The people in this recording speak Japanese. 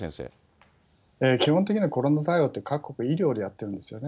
基本的にはコロナ対応って、各国、医療でやってるんですよね。